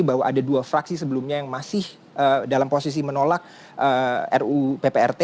bahwa ada dua fraksi sebelumnya yang masih dalam posisi menolak ruu pprt